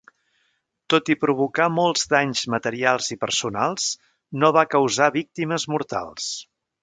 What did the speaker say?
Tot i provocar molts danys materials i personals no va causar víctimes mortals.